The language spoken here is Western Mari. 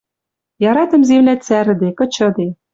Яратым Земля цӓрӹде, кычыде